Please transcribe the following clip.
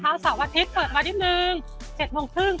ข้าวสาวอาทิตย์เปิดมานิดนึง